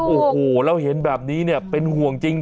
โอ้โหแล้วเห็นแบบนี้เนี่ยเป็นห่วงจริง